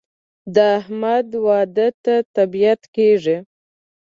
د احمد واده ته طبیعت کېږي.